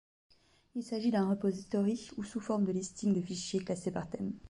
Il s'agit d'un Repository ou sous forme de listing de fichiers, classés par thèmes.